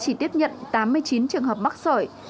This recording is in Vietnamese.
chỉ tiếp nhận tám mươi chín trường hợp mắc sởi